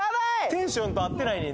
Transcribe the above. テンションと合ってないね